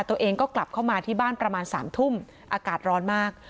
ตัวเองก็กลับเข้ามาที่บ้านประมาณ๓ทุ่มอากาศร้อนมาก